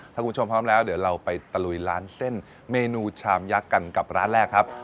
ถ้าคุณผู้ชมพร้อมแล้วเดี๋ยวเราไปตะลุยร้านเส้นเมนูชามยักษ์กันกับร้านแรกครับ